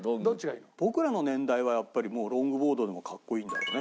僕らの年代はやっぱりロングボードの方がかっこいいんだよね